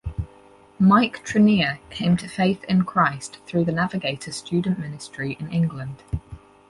Mike Treneer came to faith in Christ through the Navigator student ministry in England.